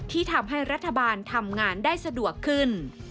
ที่ทำให้รัฐบาลทำงานได้สะดวกขึ้น